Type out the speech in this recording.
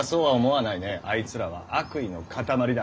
あいつらは悪意のかたまりだ。